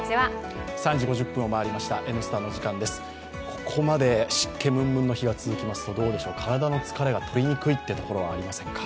ここまで湿気ムンムンの日が続きますとどうでしょう、体の疲れがとりにくいことはありませんか？